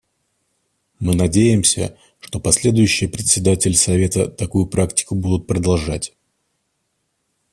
Мы надеемся, что последующие председатели Совета такую практику будут продолжать.